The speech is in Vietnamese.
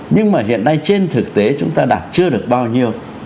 nhưng mà hiện nay trên thực tế chúng ta đạt chưa được bao nhiêu